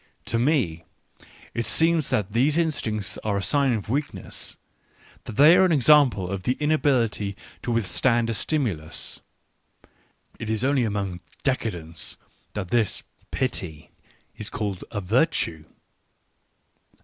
To me it seems that these instincts are a sign of weakness, they are an example of the inability to withstand a stimulus — it is only among decadents that this pity is called a virtue.